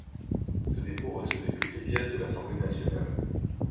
Ce dépôt recevait toutes les pièces de l'Assemblée nationale.